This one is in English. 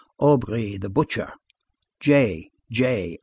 Aubry the Butcher? J. J.